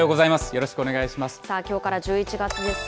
よろしくお願いします。